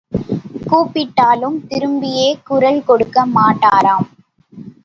கூப்பிட்டாலும் திரும்பியே குரல் கொடுக்க மாட்டாராம்.